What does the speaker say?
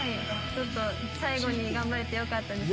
最後に頑張れてよかったです。